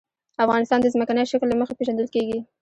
افغانستان د ځمکنی شکل له مخې پېژندل کېږي.